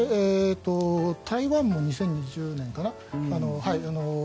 台湾も２０２２年かな。